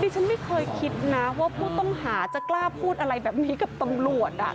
ฉันไม่เคยคิดนะว่าผู้ต้องหาจะกล้าพูดอะไรแบบนี้กับตำรวจ